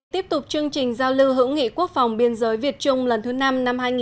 tiếp tục chương trình giao lưu hữu nghị quốc phòng biên giới việt trung lần thứ năm năm hai nghìn hai mươi